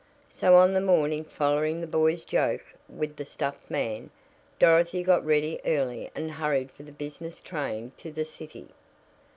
So on the morning following the boys' joke with the stuffed man, Dorothy got ready early and hurried for the business train to the city.